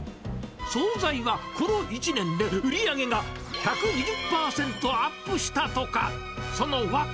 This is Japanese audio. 総菜はこの１年で売り上げが１２０％アップしたとか。